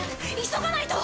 急がないと！